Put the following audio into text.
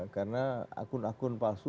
karena akun akun palsu